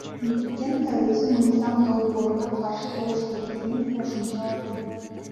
Никитенко өзү мыйзам долбооруна каршы добуш бергенин кошумчалады.